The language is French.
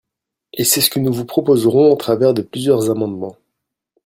Et c’est ce que nous vous proposerons au travers de plusieurs amendements.